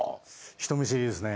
人見知りですね。